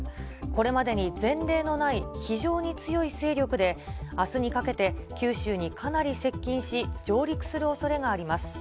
これまでに前例のない非常に強い勢力で、あすにかけて九州にかなり接近し、上陸するおそれがあります。